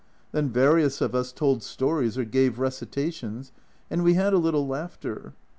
Then various of us told stories or gave recitations, and we had a little laughter.